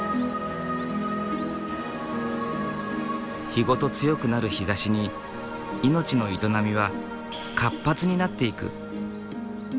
日ごと強くなる日ざしに命の営みは活発になっていく。